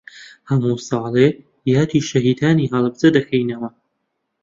هەموو ساڵێک یادی شەهیدانی هەڵەبجە دەکەینەوە.